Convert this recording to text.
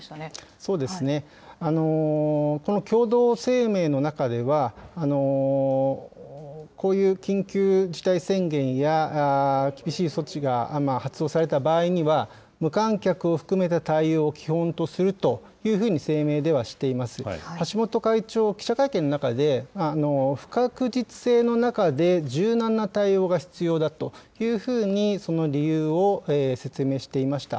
そうですね、この共同声明の中では、こういう緊急事態宣言や厳しい措置が発動された場合には、無観客を含めた対応を基本とするというふうに、声明ではしていますが、橋本会長、記者会見の中で、不確実性の中で柔軟な対応が必要だというふうにその理由を説明していました。